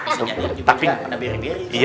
bisa nyambung juga pada diri diri